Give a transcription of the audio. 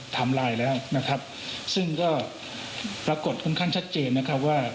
ไลน์แล้วนะครับซึ่งก็ปรากฏค่อนข้างชัดเจนนะครับว่า